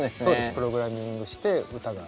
プログラミングして歌が。